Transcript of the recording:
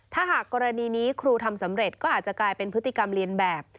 ถ้าหากกรณีนี้ครูทำสำเร็จก็อาจจะกลายเป็นพฤติกรรมเรียนแบบ